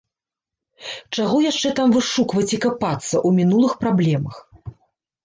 Чаго яшчэ там вышукваць і капацца ў мінулых праблемах.